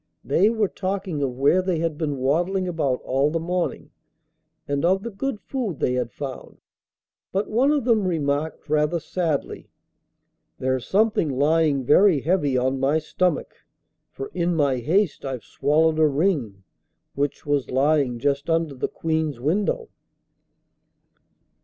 They were talking of where they had been waddling about all the morning, and of the good food they had found, but one of them remarked rather sadly, 'There's something lying very heavy on my stomach, for in my haste I've swallowed a ring, which was lying just under the Queen's window.